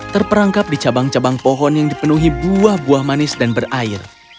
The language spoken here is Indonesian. terperangkap di cabang cabang pohon yang dipenuhi buah buah manis dan berair